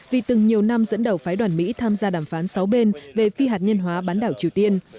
vì từng nhiều năm dẫn đầu phái đoàn mỹ tham gia đàm phán sáu bên về phi hạt nhân hóa bán đảo triều tiên